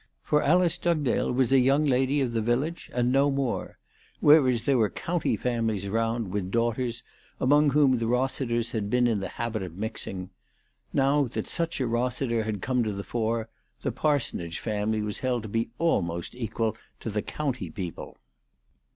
For Alice Dugdale was a young lady of the village and no more ; whereas there were county families around, with daughters, among whom the Eossiters had been in the habit of mixing. Now that such a Eossiter had come to the fore, the parsonage family was held to be almost equal to county people.